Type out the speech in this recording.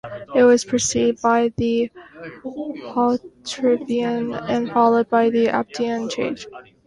It is preceded by the Hauterivian and followed by the Aptian stage.